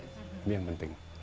ini yang penting